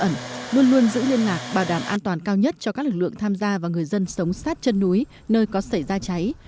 tỉnh hà tĩnh luôn luôn giữ liên ngạc bảo đảm an toàn cao nhất cho các lực lượng tham gia và người dân sống sát chân núi nơi có xảy ra cháy